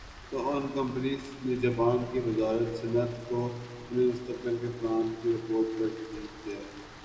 تو ان کمپنیز نےجاپان کی وزارت صنعت کو اپنے مستقبل کے پلان کی رپورٹ کر دی ھے